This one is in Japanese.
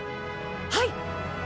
はい！